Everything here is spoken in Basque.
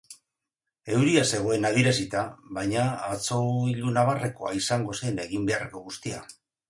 Euria zegoen adierazita, baina atzo ilunabarrekoa izango zen egin beharreko guztia.